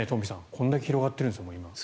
これだけ広がっているんですね。